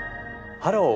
「ハロー！